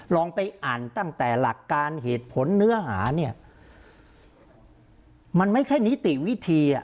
ลองไปอ่านตั้งแต่หลักการเหตุผลเนื้อหาเนี่ยมันไม่ใช่นิติวิธีอ่ะ